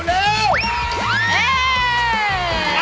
แรงหมด